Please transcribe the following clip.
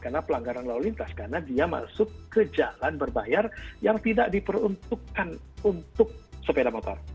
karena pelanggaran lalu lintas karena dia masuk ke jalan berbayar yang tidak diperuntukkan untuk sepeda motor